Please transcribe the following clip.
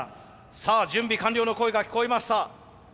さあ準備完了の声が聞こえました。